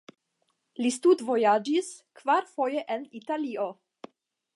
Li studvojaĝis kvarfoje en Italio.